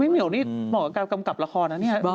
มี่เหมียวนี่เหมาะกับกำกับละครนะนี่